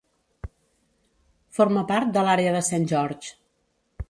Forma part de l"àrea de Saint George.